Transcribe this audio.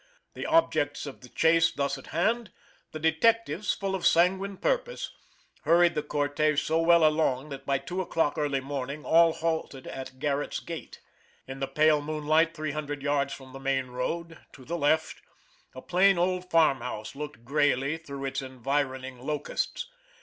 The objects of the chase thus at hand, the detectives, full of sanguine purpose; hurried the cortege so well along that by 2 o'clock early morning, all halted at Garrett's gate. In the pale moonlight three hundred yards from the main road, to the left, a plain old farmhouse looked grayly through its environing locusts.